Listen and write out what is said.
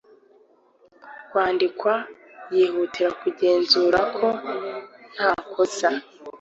kwandikwa yihutira kugenzura ko nta kosa